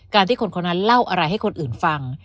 ที่คนคนนั้นเล่าอะไรให้คนอื่นฟัง